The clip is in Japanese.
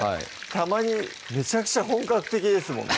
たまにめちゃくちゃ本格的ですもんね